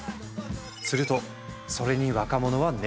するとそれに若者は熱狂。